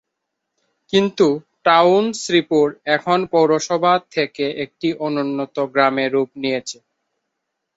কিন্তু টাউন শ্রীপুর এখন পৌরসভা থেকে এক অনুন্নত গ্রামে রুপ নিয়েছে।